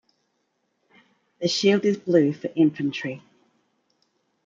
The shield is blue for infantry.